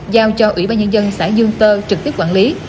giao cho ủy ban nhân dân xã dương tơ trực tiếp quản lý